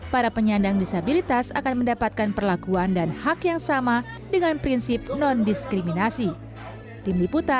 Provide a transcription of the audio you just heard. para penyandang disabilitas akan mendapatkan perlakuan dan hak yang sama dengan prinsip non diskriminasi